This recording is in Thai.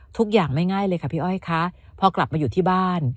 ทุกอย่างไม่ง่ายเลยค่ะพี่อ้อยคะพอกลับมาอยู่ที่บ้าน